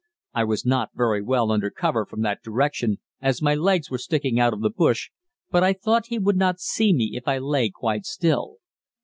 I was not very well under cover from that direction, as my legs were sticking out of the bush, but I thought he would not see me if I lay quite still.